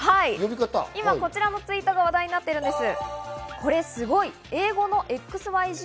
今、こちらのツイートが話題になっています。